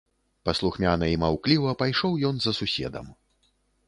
Паслухмяна і маўкліва пайшоў ён за суседам.